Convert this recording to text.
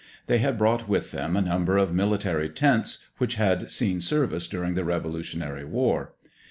They had brought with them a number of military tents, which had seen service during the Revolutionary War.